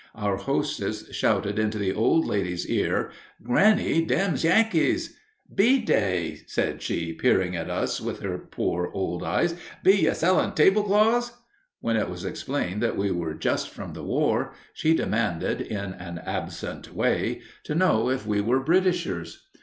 Our hostess shouted into the old lady's ear, "Granny, them's Yankees." "Be they!" said she, peering at us with her poor old eyes. "Be ye sellin' tablecloths?" When it was explained that we were just from the war, she demanded, in an absent way, to know if we were Britishers.